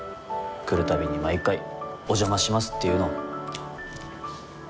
来るたびに毎回「お邪魔します」って言うの。